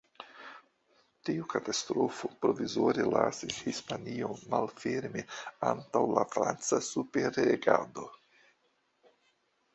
Tiu katastrofo provizore lasis Hispanion malferme antaŭ la franca superregado.